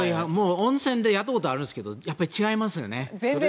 温泉でやったことがあるんですけど全然違います。